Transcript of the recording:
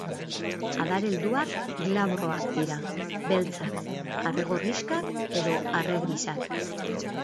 Adar helduak glabroak dira, beltzak, arre-gorrixkak edo arre-grisak.